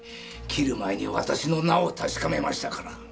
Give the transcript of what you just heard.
斬る前に私の名を確かめましたから。